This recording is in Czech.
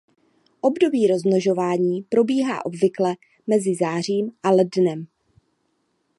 Období rozmnožování probíhá obvykle mezi zářím a lednem.